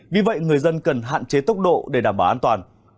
vì vậy người dân cần hạn chế tốc độ để đảm bảo an toàn